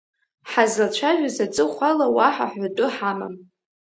Ҳазлацәажәаз аҵыхәала уаҳа ҳәатәы ҳамам.